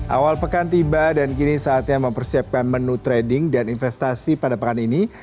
awal pekan tiba dan kini saatnya mempersiapkan menu trading dan investasi pada pekan ini